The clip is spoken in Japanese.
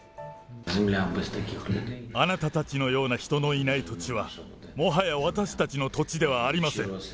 あなたたちのような人のいない土地は、もはや私たちの土地ではありません。